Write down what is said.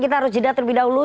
kita harus jeda terlebih dahulu